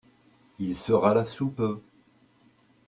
Il sera là sous peu.